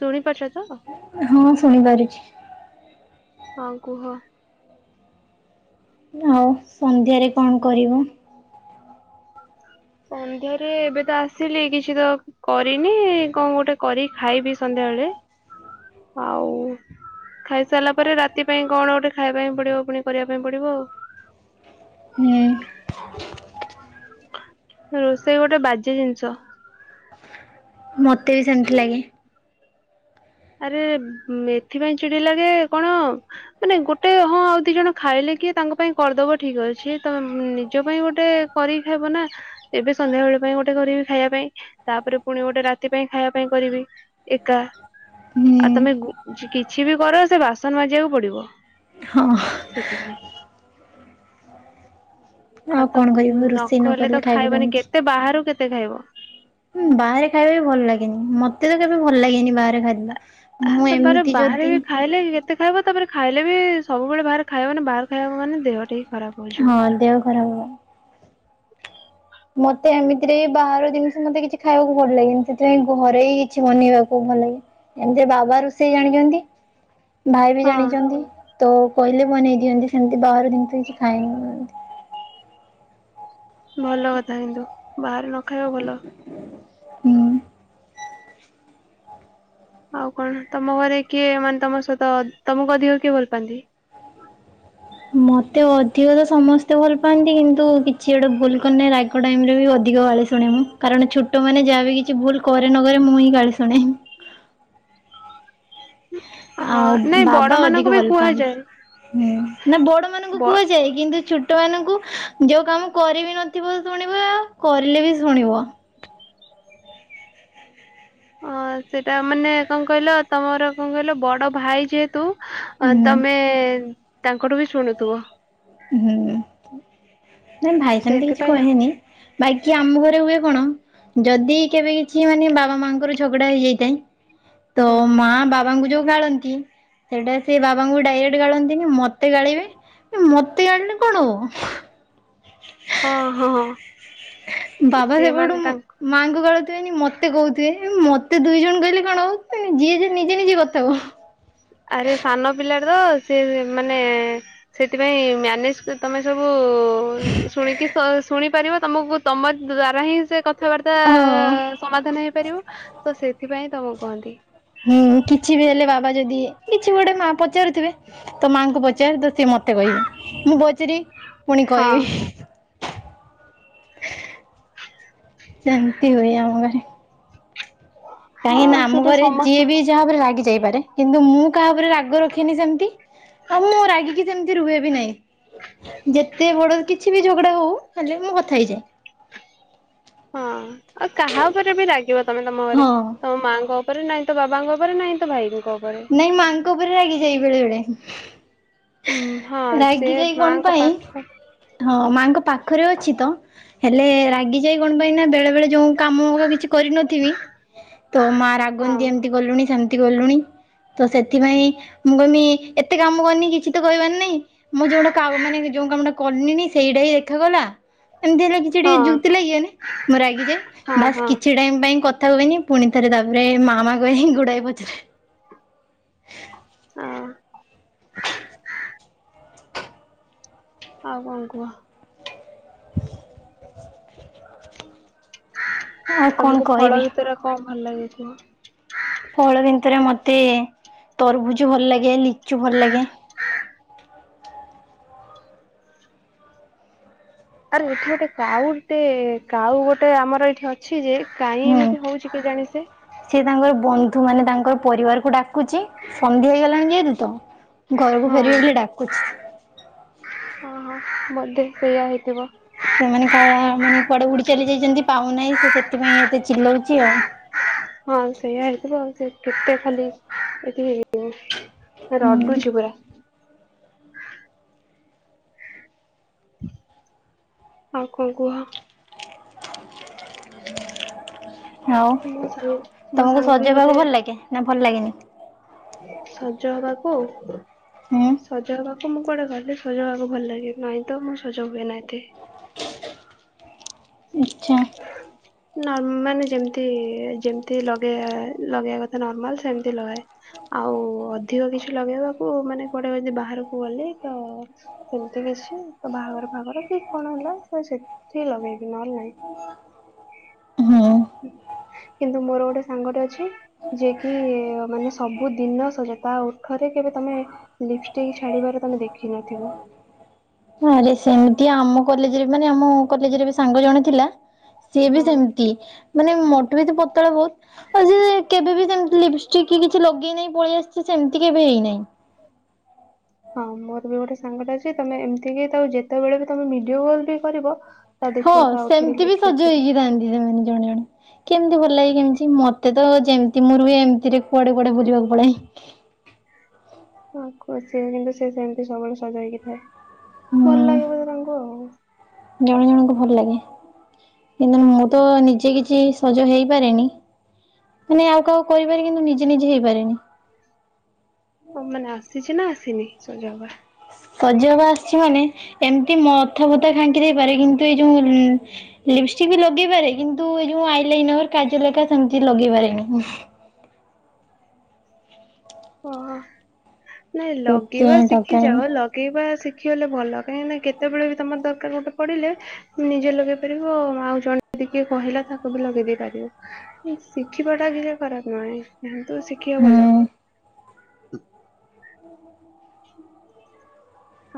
ଶୁଣି ପାରୁଛ ତ? ହଁ ଶୁଣିପାରୁଛି। ଆଉ କୁହ? ଆଉ ସନ୍ଧ୍ୟାରେ କଣ କରିବ? ସନ୍ଧ୍ୟାରେ ଏବେ ତ ଆସିଲି କିଛି ତ କରିନି କଣ ଗୋଟେ କରି ଖାଇବି ସନ୍ଧ୍ୟାବେଳେ। ଆଉ ଖାଇସାରିଲା ପରେ ରାତି ପାଇଁ କଣ ଗୋଟେ ଖାଇବା ପାଇଁ ପଡିବ ପୁଣି କରିବା ପାଇଁ ପଡିବ ଆଉ। ହୁଁ। ରୋଷେଇ ଗୋଟେ ବାଜ୍ୟ ଜିନିଷ। ମତେ ବି ସେମିତି ଲାଗେ। ଆରେ ଏଥିପାଇ ଚିଡ଼ି ଲାଗେ କଣ? ମାନେ ଗୋଟେ ହଁ ଆଉ ଦି ଜଣ ଖାଇଲେ କିଏ ତାଙ୍କ ପାଇଁ କରିଦବ ଠିକ୍ ଅଛି ତ ନିଜ ପାଇଁ ଗୋଟେ କରିକି ଖାଇବ ନା। ଏବେ ସନ୍ଧ୍ୟା ବେଳେ ପାଇଁ ଗୋଟେ କରିବି ଖାଇବା ପାଇଁ। ତାପରେ ପୁଣି ଗୋଟେ ରାତି ପାଇଁ ଖାଇବା ପାଇଁ କରିବି। ଏକା। ହୁଁ ଆଉ ତମେ କିଛି ବି କର ସେ ବାସନ ମାଜିବାକୁ ପଡିବ। ହଁ ସେଥିପାଇଁ ଆଉ କଣ ତାକୁ କରିବୁ ନ ରୋଷେଇ କଲେ କରିଲେ ତ ଖାଇବୁ ଖାଇବନି, କେମିତି? କେତେ ବାହାରୁ କେତେ ଖାଇବ? ହୁଁ, ବାହାରେ ଖାଇବା ବି ଭଲ ଲାଗେନି, ମତେ ତ କେବେ ଭଲ ଲାଗେନି ବାହାରେ ଖାଦ୍ୟ। ଆ ତମର ବାହାରେ ବି ଖାଇଲେ ବି କେତେ ଖାଇବ, ତାପରେ ଖାଇଲେ ବି ସବୁବେଳେ ବାହାରେ ଖାଇବ ମାନେ ବାହାର ଖାଇବାକୁ ମାନେ ଦେହଟି ହି ଖରାପ। ହେଇଯିବ। ହଁ, ଦେହ ଖରାପ ହବ। ମତେ ଏମିତିରେ ବି ବାହାର ଜିନିଷ ମତେ କିଛି ଖାଇବାକୁ ଭଲ ଲାଗେନି, ସେଥିପାଇଁ ଘରେ ହି କିଛି ବନେଇବାକୁ ଭଲ ଲାଗେ। ଏମତି ବାବା ରୋଷେଇ ଜାଣିଛନ୍ତି ଭାଇ ବି ହଁ ଜାଣିଚନ୍ତି, ତ କହିଲେ ବନେଇ ଦିଅନ୍ତି ସେମତି, ବାହାର ଜିନିଷ କିଛି ଖାଏନି ମୁଁ ଏମତି। ଭଲ କଥା କିନ୍ତୁ ବାହାରେ ନ ଖାଇବା ଭଲ। ହୁଁ। ଆଉ କଣ ତମ ଘରେ କିଏ ମାନେ ତମ ସହିତ ତମକୁ ଅଧିକ କିଏ ଭଲ ପାଆନ୍ତି? ମତେ ଅଧିକ ତ ସମସ୍ତେ ଭଲ ପାଆନ୍ତି, କିନ୍ତୁ କିଛି ଗୋଟେ ଭୁଲ କରିନେ ରାଗି ରାଗ ଟାଇମରେ ବି ଅଧିକ ଗାଳି ଶୁଣେ ମୁଁ। କାରଣ ଛୋଟମାନେ ଯାହା ବି କିଛି ଭୁଲ କରେ ନ କରେ ମୁଁ ହିଁ ଗାଳି ଶୁଣେ। ହଁ ଆଉ ନାଇଁ ବଡ ବାବା ମାନଙ୍କୁ ଅଧିକ ବି ଭଲ କୁହାଯାଏ। ପାଆନ୍ତି। ନା, ବଡମାନଙ୍କୁ ବ କୁହାଯାଏ, କିନ୍ତୁ ଛୋଟ ଛୋଟମାନଙ୍କୁ ଯୋଉ କାମ କରିବି ନଥିବ ଶୁଣିବ, ଆ କରିଲେ ବି ଶୁଣିବ। ହଁ ଅ ସେଟା ମାନେ କଣ କହିଲ, ତମର କଣ କହିଲ, ବଡ ଭାଇ ଯେହେତୁ ଅ ହୁଁ ତମେ ତାଙ୍କଠୁ ବି ଶୁଣୁଥିବ। ହୁଁ। ନାଇ ଭାଇ ସେମତି କିଛି ସେଇଥିପାଇଁ ଆଉ କହେନି ବାଇକି ଆମ ଘରେ ହୁଏ କଣ ଯଦି କେବେ କିଛି ମାନେ ବାବା ମାଙ୍କର ଝଗଡା ହେଇଯାଇଥାଏ ତ ମା, ବାବାଙ୍କୁ ଯୋଉ ଗାଳନ୍ତି ସେଇଟା ସେ ବାବାଙ୍କୁ ଡାଇରେକ୍ଟ ଗାଳନ୍ତିନି, ମତେ ଗାଳିବେ ମତେ ମତେ ଗାଳିଲେ କଣ ହବ? ହଁ, ହଁ, ହଁ। ହଁ ବାବା ସିଏ ମାନେ ସେପଟୁ ମୁଁ ତାଙ୍କ ମାଆଙ୍କୁ ଗାଳୁଥିବେନି ମତେ କହୁଥିବେ, ମତେ ଦୁଇ ଜଣ କହିଲେ କଣ ହବ, ଯିଏ ଯେ ନିଜେ ନିଜେ କଥା ହୁଅ। ଆରେ ସାନ ପିଲାଟେ ତ, ସେ ମାନେ ସେଥିପାଇଁ ମ୍ୟାନେଜ୍ ସେ ତମେ ସବୁ ଶୁଣିକି ତ ଶୁଣିପାରିବ, ତମକୁ ତମ ଦ୍ଵାରା ହିଁ ସେ କଥ କଥାବାର୍ତ୍ତା ହଁ। ସମାଧାନ ହେଇପାରିବ, ତ ସେଥିପାଇଁ ତମକୁ କୁହନ୍ତି। ହୁଁ, କିଛି ବି ହେଲେ ବାବା ଯଦି କିଛି ବି ଗୋଟେ ମା ପଚାରୁଥିବେ, ତ ମାଙ୍କୁ ପଚାର ତ ସିଏ ମତେ ମତେ କହିବେ, ମୁଁ ପଚାରିବି ପୁଣି ହଁ କହିବି ସେନ୍ତି ହୁଏ ଆମ ଘରେ। ହଁ କାହିଁକିନା ଆମ ସେଇଟା ଘରେ ଯିଏ ସମସ୍ତ ବି ଯାହା ଉପରେ ରାଗି ଯାଇପାରେ, କିନ୍ତୁ ମୁଁ କାହା ଉପରେ ରାଗ ରଖେନି ସେମତି ଆଉ ମୁଁ ରାଗିକି ସେମତି ରୁହେ ବି ନାଇଁ। ଯେତେ ବଡ କିଛି ବି ଝଗ ଝଗଡ଼ା ହଉ, ହେଲେ ବି ମୁଁ କଥା ହେଇଯାଏ। ହଁ, ଆଉ କାହା ଉପରେ ବି ରାଗିବ ତମେ ତମ ଘରେ? ହଁ ତମ ମାଆଙ୍କ ଙ୍କ ଉପରେ, ନାଇଁ ତ ବାବାଙ୍କ ଉପରେ, ନାହିଁ ତ ଭାଇଙ୍କ ଉପରେ। ନାଇଁ ମାଆଙ୍କ ଉପରେ ରାଗିଯାଇ ବେଳେବେଳେ। ଉଁ ହଁ, ସେ କଣ ମାଆଙ୍କ ପାଇଁ ପାଖ ହଁ, ମାଆଙ୍କ ପାଖରେ ଅଛି, ତ ହେଲେ ରାଗି ଯାଇ କଣ ପାଇଁ ନା ବେଳେ ବେଳେ ଯୋଉଁ କାମ ଅକା କିଛି କରିନଥିବି, ତ ମା ହଁ ରାଗନ୍ତି ଏମତି କଲୁଣି, ସେମତି କଲୁଣି ତ ସେଥିପାଇଁ ମୁଁ କହିମି, ଏତେ କାମ କରିନି କିଛି ତ କହିବାର ନାହିଁ ମୁଁ ଯୋଉଟା କା ମାନେ ଯୋଉ କାମଟା କରଲିଣିି, ସେଇଟା ହିଁ ଦେଖାଗଲା। ଏମତି ହେଲା କି ଏମତି ଟିକେ ହଁ ଯୁକ୍ତି ଲାଗିଗଲେ, ମୁଁ ରାଗି ଯାଏ। ହଁ ବାସ୍ ହଁ କିଛି ଟାଇମ୍ ପାଇଁ କଥା ହୁଏନି ପୁଣି ଥରେ ତାପରେ ମାମା କହେ, ଗୁଡାଏ ପଛରେ ଆଉ [inaudible] ଆଉ କଣ କୁହ? ଆଉ କଣ ତମକୁ ଫଳ କହିବି ଭିତରେ କଣ ଭଲ ଲାଗିଥିବ? ଫଳ ଭିତରେ ମତେ ତରଭୁଜ ଭଲ ଲାଗେ ଲିଚୁ ଭଲ ଲାଗେ ହଁ ଆରେ ଏଠି ଗୋଟେ କାଉ ଗୋଟେ କାଉ ଗୋଟେ ଆମର ଏଇଠି ଅଛି ଅଛି ଯେ କାହିଁ ହୁଁ ଏମିତି ହଉଛି କେଜାଣି ସେ ସେ ତାଙ୍କର ବନ୍ଧୁ ମାନେ ତାଙ୍କର ପରିବାରକୁ ଡାକୁଛି ସନ୍ଧି ହେଇଗଲାଣି ଯେହେତୁ ତ ଘରକୁ ଫେରିବେ ବୋଲି ଡାକୁଛି ଓହୋ ବୋଧେ ସେୟା ହେଇଥିବ ସେମାନେ କଣ ପୁଣି କୁଆଡେ ଉଡି ଚାଲି ଯାଇଛନ୍ତି ପାଉନାହିଁ ସେ ସେଥିପାଇଁ ଏତେ ଚିଲଉଛି ଆଉ ହଁ ସେଇଆ ହେଇଥିବ କେତେ ଖାଲି ଏଠି ହେଇଯଵ ହୁଁ ରଡୁଛି ପୁର ଆଉ କଣ କୁହ ହଉ ମୋ ସାଙ୍ଗ ମୋ ତମକୁ ସାଙ୍ଗ ବି ଗୋଟେ ସଜହେବାକୁ ଭଲ ଲାଗେ ନା ଭଲ ଲାଗେନି ସଜ ହବାକୁ ହୁଁ ସଜହେବାକୁ ମୁଁ କୁଆଡେ ଗଲି ସଜହେବାକୁ ଭଲ ଲାଗେ ନାଇଁ ତ ମୁଁ ସଜ ହୁଏ ନା ଏତେ ଆଚ୍ଛା ମାନେ ଯେମତି ଯେମିତି ଲଗେଇ ଲଗେଇବା କଥା ନର୍ମାଲ ସେମତି ଲଗାଏ ଆଉ ଅଧିକ କିଛି ଲଗେଇବାକୁ ମାନେ କୁଆଡେ ଯଦି ବାହାରକୁ ଗଲେ ତ ସେମିତି କିଛି ତ ବାହାଘର ଫଘର କି କଣ ହେଲା ତ ସେଠି ଲଗେଇବି ନହେଲେ ନାଇଁ ହୁଁ। କିନ୍ତୁ ମୋର ଗୋଟେ ସାଙ୍ଗଟେ ଅଛି ଯିଏକି ମାନେ ସବୁଦିନ ସଜ ତା ଓଠରେ କେବେ ତମେ ଲିପଷ୍ଟିକ ଛାଡିବାର ତମେ ଦେଖିନଥିବ ହଁରେ ସେମିତି ଆମ କଲେଜରେ ମାନେ ଆମ କଲେଜରେ ବି ସାଙ୍ଗ ଜଣ ଥିଲା ସିଏ ବି ହଁ ସେମ ମାନେ ମଟ ବି ତ ପୋତଳ ବହୁତ ଆଉ ଯେ କେବେ ବି ସେମତି ଲପଷ୍ଟିକ କି କିଛି ଲଗେଇନାହିଁ ପଳେଇ ଆସିଛି ସେମିତି କେବେ ହେଇନାହିଁ। ହଁ ମୋର ବି ଗୋଟେ ସାଙ୍ଗଟା ଅଛି ତମେ ଏମିତି କି ତାକୁ ଯେତେବେଳେ ବି ତମେ ଭିଡିଓ କଲ ବି କରିବ ତା ହଁ ଦେଖିବ ତା ଓଠରେ ସେମିତି ବି ଲିପଷ୍ଟିକ ସଜ ଥିବ ହେଇକି ଥାନ୍ତି ସେମାନେ ଜଣେ ଜଣେ କେମିତି ଭଲ ଲାଗେ କେମିତି ମତେ ତ ଯେମିତି ମୋର ବି ଏମିତିରେ କୁଆଡେ କୁଆଡେ ବୁଲିବାକୁ ପଳାଏ ହ କଛି କିନ୍ତୁ ସେ ସେମିତି ସବୁବେଳେ ସଜା ହେଇକି ଥାଏ ହୁଁ ଭଲ ଲାଗେ ବୋଧେ ତାଙ୍କୁ ଆଉ ଜଣେ ଜଣଙ୍କୁ ଭଲ ଲାଗେ କିନ୍ତୁ ମୁଁ ହଁ ତ ନିଜେ କିଛି ସଜ ହେଇପାରେନି ମାନେ ଆଉ କହାକୁ କରିପାରେ କିନ୍ତୁ ନିଜେ ନିଜେ ହେଇପାରେନି ହ ମାନେ ଆସିଛି ନା ଆସିନି ସଜ ହବା ସଜହବ ଆସିଛି ମାନେ ଏମିତି ମଥ ଭତା ଖାଙ୍କି ଦେଇପାରେ କିନ୍ତୁ ଏଇ ଯୋଉ ଲିପଷ୍ଟିକ ବି ଲଗେଇ ପାରେ କିନ୍ତୁ ଏ ଯୋଉ ଆଇଲାଇନର କାଜଲ ହେରୀକା ସେମିତି ଲଗେଇ ପାରେନି ଓହୋ ନାଇଁ ଲଗେଇବା ସେଥିପାଇଁ ଲଗାଏନି ଶିଖିଯାଅ ପକେଇବା ଶିଖିଗଲେ ଭଲ କାହିଁକିନା କେତେବେଳେ ବି ତମର ଦରକାର ଗୋଟେ ପଡ଼ିଲେ ନିଜେ ଲଗେଇ ପାରିବ ଆଉ ଜଣେ ଯଦି କିଏ କହିଲା ତାକୁ ବି ଲଗେଇ ଦେଇେଇ ପାରିବ ଶିଖିବା ଟା କିଛି ଖରାପ ନୁହେଁ ନ୍ତୁ ଶିଖିବା ହୁଁ। ଭଲ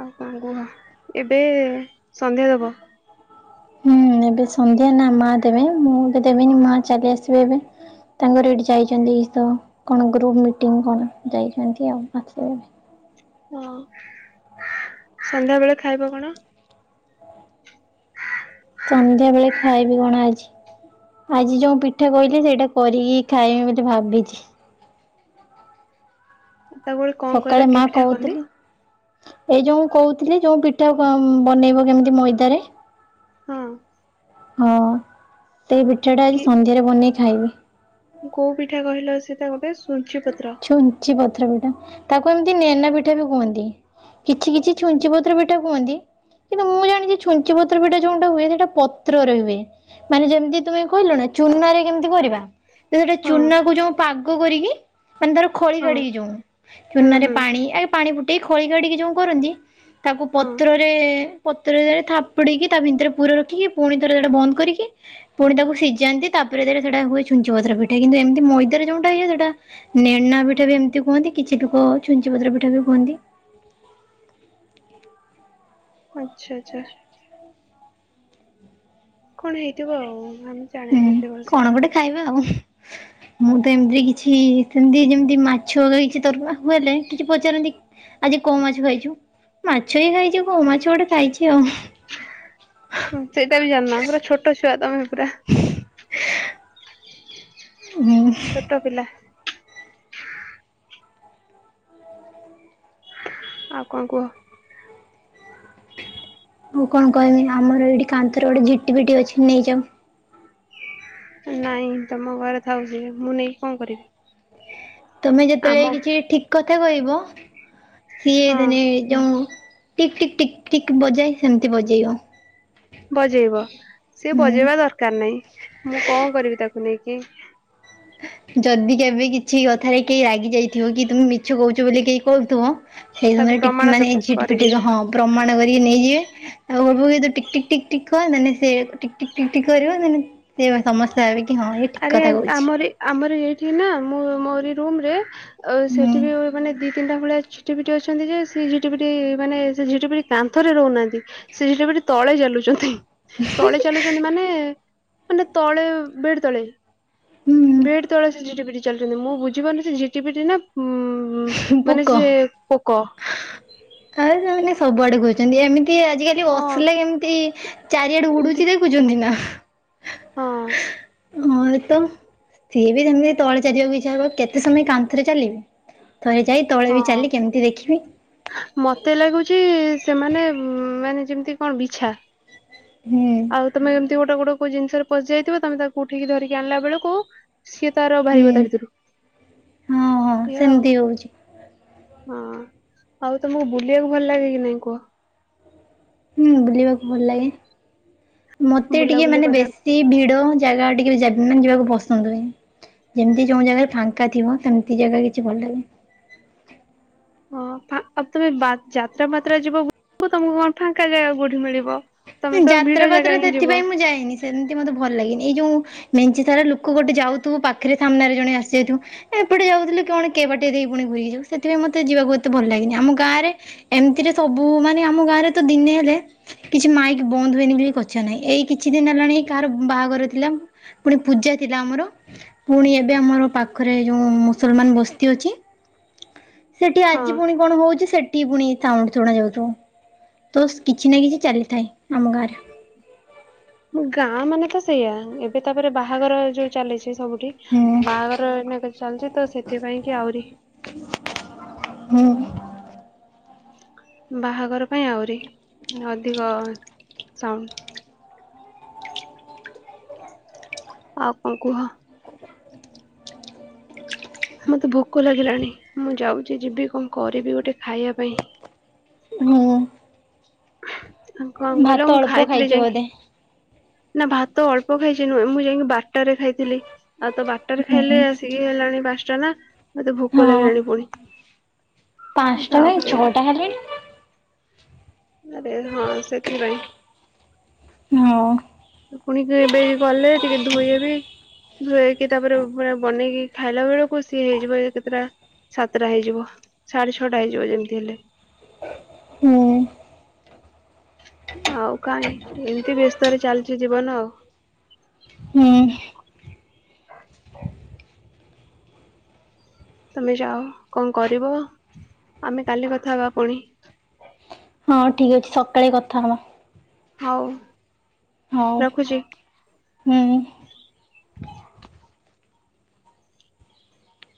ଆଉ କଣ କୁହ ଏବେ ସନ୍ଧ୍ୟା ଦବ ହଁ ହୁଁ ଏବେ ସନ୍ଧ୍ୟା ନା ମା ଦେବେ ମୁଁ ଏବେ ଦେବନି ମା ଚାଲି ଆସିବେ ଏବେ ତାଙ୍କର ଏଇଠି ଯାଇଛନ୍ତି ଇସ କଣ ଗ୍ରୁପ ମିଟିଙ୍ଗ କଣ ଯାଇଛନ୍ତି ଆଉ ଆସିବେ ହଁ ସନ୍ଧ୍ୟା ବେଳେ ଖାଇବ କଣ? ସନ୍ଧ୍ୟା ବେଳେ ଖାଇବି କଣ ଆଜି ଆଜି ଯୋଉ ପିଠା କହିଲି ସେଇଟା କରିକି ଖାଇମି ବୋଲି ଭାବିଛି ତାକୁ ଗୋଟେ କଣ କହିଲ ସକାଳେ କି ମା ପିଠା କହନ୍ତି କହୁଥିଲେ। ଏଇ ଯୋଉ କହୁଥିଲେ ଯୋଉ ପିଠା ବନେଇବ କେମିତି ମଇଦାରେ ହଁ ହଁ ସେଇ ପିଠା ଟା କି ଆଜି ସନ୍ଧ୍ୟାରେ ବନେଇ ଖାଇବି। କୋଉ ପିଠା କହିଲ ସେଇଟା ଗୋଟେ ଶ୍। ଛୁଞ୍ଚି ପତ୍ର ପିଠା ତାକୁ ଏମିତି ନେନା ପିଠା ବି କୁହନ୍ତି। କିଛି କିଛି ଛୁଞ୍ଚି ପତ୍ର ପିଠା କୁହନ୍ତି। କିନ୍ତୁ ମୁଁ ଜାଣିଛି ଛୁଞ୍ଚି ପତ୍ର ପିଠା ଯୋଉଁ ଟା ହୁଏ ସେଇଟା ପତ୍ରରେ ହୁଏ। ମାନେ ଯେମିତି ତୁମେ କହିଲ ନା ଚୁନାରେ କେମିତି କରିବା। ତ ସେଟା ହଁ ଚୁନାକୁ ଯୋଉ ପାଗ କରିକି। ମାନେ ତାର ଖଳି ହଁ ରଡିକି ଯୋଉ ହୁଁ ଚୁନାରେ ହୁଁ ପାଣି ଆରେ ପାଣି ଫୁଟେଇ ଖଳି ରଡିକି ଯୋଉ କରନ୍ତି। ତାକୁ ହଁ ପତ୍ରରେ ପତ୍ରରେ ଥାପୁଡ଼ିକି ତା ଭିତରେ ପୁର ରଖିକି ପୁଣି ଥରେ ସେଟା ବନ୍ଦ କରିକି। ପୁଣି ତାକୁ ସିଝାନ୍ତି ତାପରେ ତାରେ ସେଇଟା ହୁଏ ଛୁଞ୍ଚି ପତ୍ର ପିଠା କିନ୍ତୁ ଏମିତି ମଇଦାରେ ଯୋଉଟା ହୁଏ ସେଟା। ନେନା ପିଠା ବି ଏମିତି କୁହନ୍ତି କିଛି ଲୋକ ଛୁଞ୍ଚି ପତ୍ର ପିଠା ବି କୁହନ୍ତି। ଆଚ୍ଛା, ଆଚ୍ଛା। କଣ ହେଇଥିବ ଆଉ ନା ମୁଁ ହୁଁ ଜାଣିନି ଏତେ କଣ ଭଲସେ। ଗୋଟେ ଖାଇବା ଆଉ ମୁଁ ତ ଏମତିରେ କିଛି ସେମିତି ଯେମିତି ମା [unintelligible] ହେଲେ କିଛି ପଚାରନ୍ତି। ଆଜି କୋଉ ମାଛ ଖାଇଛୁ ମାଛ ହିଁ ଖାଇଛି କୋଉ ମାଛ। କିଛି ଗୋଟେ ଖାଇଛି ଆଉ। ହଁ ସେଇଟା ବି ଜାଣିନ ପୁରା ଛୋଟ ଛୁଆ ତମେ ପୁରା। [unintelligible] ହୁଁ ଛୋଟ ପିଲା। ଆଉ କଁ କୁହ? ମୁଁ କଣ କହିମି ଆମର ଏଇଠି କାନ୍ଥର ଗୋଟେ ଝିଟି ପିଟି ଅଛି ନେଇଯାଅ। ନାଇଁ ତମ ଘରେ ଥାଉ ସିଏ ମୁଁ ନେଇକି କଁ କରିବି। ତମେ ଆମ ଯେତେବେଳେ କିଛି ଠିକ୍ କଥା କହିବ ସିଏ ହଁ ମାନେ। ଯେଉଁ ଟିକ୍, ଟିକ୍, ଟିକ୍, ଟିକ୍ ବଜାଏ ସେମିତି ବଜେଇବ। ବଜେଇବ ସିଏ ବଜେଇବା ହୁଁ ଦରକାର ନାହିଁ, ମୁଁ କଁ କରିବି ତାକୁ ନେଇକି। ଯଦି କେବେ କିଛି କଥାରେ କେହି ରାଗି ଯାଇଥିବ କି ତୁମେ ମିଛ କହୁଛ ବୋଲି କେହି କହୁଥିବ। ସେଇ ତାକୁ ସମୟରେ ଟିକ୍ ପ୍ରମାଣ ମାନେ ଦେବି କରିବି ଝିଟିପିଟି କି ହଁ ପ୍ରମାଣ କରିକି ନେଇଯିବେ। ଆଉ ବୋବେଇ କି ଟିକ୍, ଟିକ୍, ଟିକ୍, ଟିକ୍, କହନ୍ତିନି ସେଆକୁ ଟିକ୍, ଟିକ୍, ଟିକ୍ କରିବ। ତେଣୁ ସମସ୍ତେ ଭାବିବେ କି ହଁ ଇଏ ଠିକ୍ ଆରେ କଥା କହୁଛି। ଆମରି ଆମର ଏଇଠି ନା ମୁଁ ମୋରି ରୁମ ରେ ଅ ହୁଁ ସେଠି ବି ମାନେ ଦି ତିନିଟା ଭଳିଆ ଝି ଝିଟିପିଟି ଅଛନ୍ତି ଯେ ସେ ଝିଟିପିଟି ମାନେ ସେ ଝିଟିପିଟି କାନ୍ଥରେ ରହୁନାହାନ୍ତି। ସେ ଝିଟିପିଟି ତଳେ ଚାଲୁଛନ୍ତି। ତଳେ ଚାଲୁଛନ୍ତି ମାନେ ମାନେ ତଳେ ବେଡ୍ ତଳେ। ବେଡ୍ ହୁଁ ତଳେ ସେ ଝିଟିପିଟି ଚାଲିଛନ୍ତି ମୁଁ ବୁଝିପାରୁନି ସେ ଝିଟିପିଟି ନା ଉଁ। ଉଁ ମାନେ ପୋକ ସିଏ ପୋକ। ଆଉ ସେମାନେ ସବୁଆଡେ ଘୁରୁଛନ୍ତି ଏମିତି ଆଜିକାଲି ହଁ ୱଫଲେ କେମିତି ଚାରିଆଡୁ ଏମତି ଉଡୁଛି ଦେ ଖୁଛନ୍ତି ନା। ହଁ। ହଁ ଏ ତ ସିଏ ବି ସେମିତି ତଳେ ଚାଲିବାକୁ ଇଚ୍ଛା ହବ କେତେ ସମୟ କାନ୍ଥରେ ଚାଲିବି। ଥରେ ଯାଇ ତଳେ ବି ହଁ ଚାଲେ କେମିତି ଦେଖିବି। ମତେ ଲାଗୁଚି ସେମାନେ ମାନେ ଯେମିତି କଣ ବିଛା। ହୁଁ। ଆଉ ତମେ ଏମତି ଗୋଟେ ଗୋଟେ କୋଉ ଜିନିଷରେ ପସି ଯାଇଥିବ ତମେ ତାକୁ ଉଠେଇକି ଧିରିକି ଆଣିଲା ବେଳକୁ। ସିଏ ତାର ବାହାରିବ ହୁଁ। ତା ଭିତରୁ, ହଁ ହଁ ଏଇଆ ଆଉ। ସେମିତି ହଉଛି ହଁ ଆଉ ତମକୁ ବୁଲିବାକୁ ଭଲ ଲାଗେ କି ନାଇଁ କୁହ। ହୁଁ ବୁଲିବାକୁ ଭଲ ଲାଗେ ମତେ ଟିକେ ବୁଲାବୁଲି ମାନେ ବେଶି। କରିବାକୁ ବେଶି ଭିଡ ଜାଗା ଟିକେ ବି ଯା ମାନେ ଯିବାକୁ ପସନ୍ଦ ହୁଏନି। ଯେମିତି ଯୋଉଁ ଜାଗାରେ ଫାଙ୍କା ଥିବ ସେମିତି ଜାଗା କିଛି ଭଲ ଲାଗେ। ହଁ ଫା ଆଉ ତମେ ବା ଯାତ୍ରା ଫାତ୍ରା ଯିବ ବୁଲିବାକୁ ଆଉ ତମକୁ କଣ ଫାଙ୍କା ଜାଗା କୋଉଠି ମିଳିବ। ତମେ ତ ଭିଡ ଯାତ୍ରା ଜାଗା ଫାତ୍ରା ହିଁ ଯିବ ସେଥିପାଇଁ ମୁଁ ଯାଏନି। ସେମିତି ମତେ ଭଲ ଲାଗେନି ଏଇ ଯୋଉ ମେଞ୍ଚେ ସାରା ଲୋକ ଗୋଟେ ଯାଉଥିବ ପାଖରେ ସାମ୍ନାରେ ଜଣେ ଆସିଯାଉଥିବ ଏପଟେ ଯାଉଥିଲେ କିଅଣ କେବାଟେ ଦେଇ ପୁଣି ଘୁରିକି ଯାଉ ସେଥିପାଇଁ ମତେ ଯିବାକୁ ଏତେ ଭଲ ଲାଗେନି ଆମ ଗାଁରେ ଏମିତିରେ ସବୁ ମାନେ ଆମ ଗାଁ ରେ ତ ଦିନେ ଅଧେ କିଛି ମାଇକ୍ ବନ୍ଦ ହୁଏନି ବୋଲି କଛା ନାହିଁ ଏଇ କିଛି ଦିନ ହେଲାଣି କାହାର ବାହାଘର ଥିଲା ପୁଣି ପୂଜା ଥିଲା ଆମର ପୁଣି ଏବେ ଆମର ପାଖରେ ଯୋଉ ମୁସଲମାନ ବସ୍ତି ଅଛି ସେଠି ଆଜି ପୁଣି ହଁ କଣ ହଉଛି ସେଠି ପୁଣି ସାଉଣ୍ଡ ଶୁଣା ଯାଉଥିବ ତ ସ କିଛି ନା କିଛି ଚାଲିଥାଏ। ଆମ ଗାଁରେ ଗାଁ ମାନେ ତ ସେଇଆ ଏବେ ତାପରେ ବାହାଘର ଯୋଉ ଚାଲିଛି ସବୁଠି ହୁଁ। ବାହାଘର ଏଇନକେ ଚାଲିଛି ତ ସେଥିପାଇଁ କି ଆହୁରି ହୁଁ। ବାହାଘର ପାଇଁ ଆହୁରି ମାନେ ଅଧିକ ସାଉଣ୍ଡ ଆଉ କଣ କୁହ? ମତେ ଭୋକ ଲାଗିଲାଣି ମୁଁ ଯାଉଛି ଯିବି କଣ କରିବି ଗୋଟେ ଖାଇବା ପାଇଁ। ହୁଁ। ଆଉ କଣ କହିଲ ଭାତ ମୁଁ ଅଳ୍ପ ଖାଇଥିଲି ଖାଇଛି ବୋଧେ। ଯାଇଁକି ନା ଭାତ ଅଳ୍ପ ଖାଇଛି ନୁହେଁ ମୁଁ ଯାଇଁକି ବାରଟାରେ ଖାଇଥିଲି ଆଉ ତ ବା ରଟା ରେ ହୁଁ ଖାଇଲେ ଆସିକି ହେଲାଣି ପାଞ୍ଚଟା ନା! ମତେ ଭୋକ ହଁ ଲାଗିଲାଣି ପୁଣି ମୁଁ ତାପରେ ହେଲେଣି ଆରେ ହଁ ସେଥିପାଇଁ। ହଁ। ପୁଣି ଯେ ଏବେ ଏଇ ଗଲେ ଟିକେ ଧୋଇ ହେବି। ଧୋଇକି ତାପରେ ପୁରା ବନେଇକି ଖାଇଲା ବେଳକୁ ସିଏ ହେଇଯିବ ଯାଏ କେତେଟା? ସାତଟା ହେଇଯିବ ସାଢେ ଛଅଟା ହେଇଯିବ ଯେମିତି ହେଲେ। ହୁଁ। ଆଉ କାଇଁ ଏମିତି ବ୍ୟସ୍ତରେ ଚାଲିଛି ଜୀବନ ଆଉ। ହୁଁ। ତମେ ଯାଅ କଣ କରିବ ଆମେ କାଲି କଥା ହେବା ପୁଣି। ହଁ ଠିକ ଅଛି ସକାଳେ କଥା ହବା। ହଉ। ହଉ ରଖୁଛି। ହୁଁ।